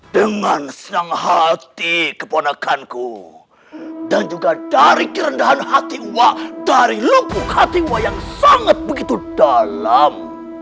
dengan senang hati keponakanku dan juga dari kerendahan hati uwa dari lukuk hati uwa yang sangat begitu dalam